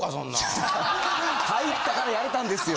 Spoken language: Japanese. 入ったからやれたんですよ。